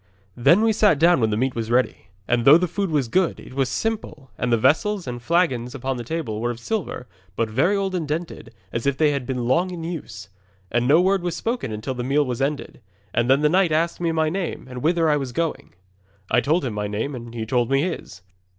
Then we sat down when the meat was ready, and though the food was good, it was simple, and the vessels and flagons upon the table were of silver, but very old and dented, as if they had been long in use. 'And no word was spoken until the meal was ended, and then the knight asked me my name and whither I was going. 'I told him my name, and he told me his.